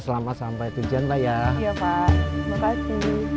selamat sampai tujuan saya ya pak makasih